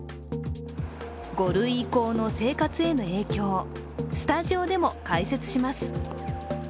５類移行の生活への影響、スタジオでも解説します。